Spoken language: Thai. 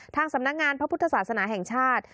ทางสำนักงานพระพุทธศาสนาแห่งชาติ